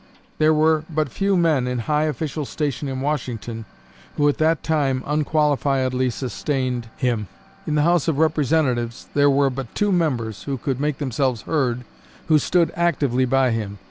There were but few men in high official station in Washington who at that time unqualifiedly sustained him. In the House of Representatives there were but two members who could make themselves heard, who stood actively by him.